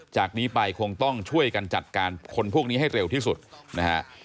จากนี้ไปคงต้องช่วยกันจัดการคนพวกนี้ให้เร็วที่สุดนะฮะ